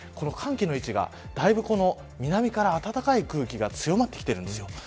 寒気の位置がだいぶ南から暖かい空気が強まってるんです。